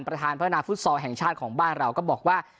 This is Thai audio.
ประธานพัฒนาฟุตซอลแห่งชาติของบ้านเราก็บอกว่า